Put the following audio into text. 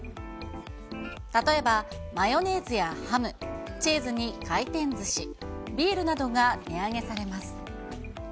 例えば、マヨネーズやハム、チーズに回転ずし、ビールなどが値上げされます。